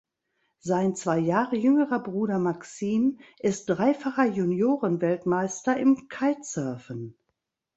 Sein zwei Jahre jüngerer Bruder Maxime ist dreifacher Juniorenweltmeister im Kitesurfen.